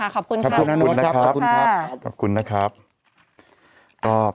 ครับผมขอบคุณครับ